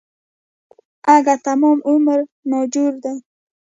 اگه تمام عمر ناجوړه دی.